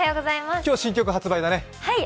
今日新曲発売だね。